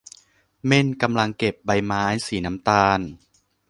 เม่นกำลังเก็บใบไม้สีน้ำตาล